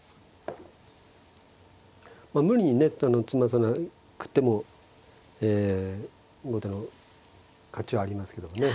無理にね詰まさなくてもえ後手の勝ちはありますけどもね。